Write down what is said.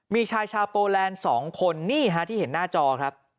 มีชายชาวโปแลนด์๒คนนี่ฮะที่เห็นหน้าจอครับ